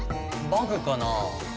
バグかな？